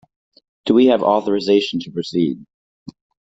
Do we have authorisation to proceed?